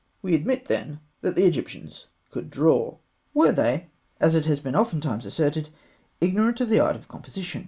] We admit, then, that the Egyptians could draw. Were they, as it has been ofttimes asserted, ignorant of the art of composition?